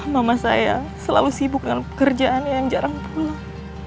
mama saya selalu sibuk dengan pekerjaan yang jarang pulang